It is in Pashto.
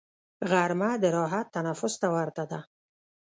غرمه د راحت تنفس ته ورته ده